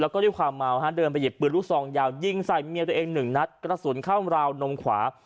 แล้วก็ด้วยความเมาฮะเดินไปหยิบปืนลูกซองยาวยิงใส่เมียตัวเองหนึ่งนัดกระสุนเข้าราวนมขวา